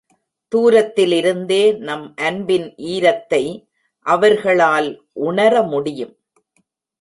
தூரத்தில் இருந்தே நம் அன்பின் ஈரத்தை அவர்களால் உணர முடியும்.